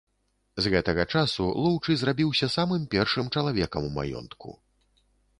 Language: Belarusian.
З гэтага часу лоўчы зрабіўся самым першым чалавекам у маёнтку.